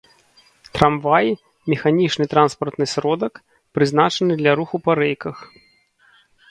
Трамвай — механічны транспартны сродак, прызначаны для руху па рэйках